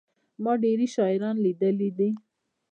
ما ډېري شاعران لېدلي دي.